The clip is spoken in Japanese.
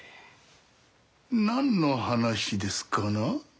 何の話ですかな？